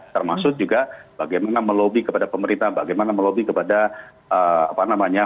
termasuk juga bagaimana melobi kepada pemerintah bagaimana melobby kepada apa namanya